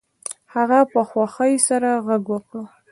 هغه په خوښۍ سره غږ وکړ